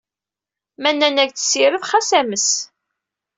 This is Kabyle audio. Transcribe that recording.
Ma nnant-ak ssired, xas ames.